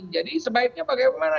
jadi sebaiknya bagaimana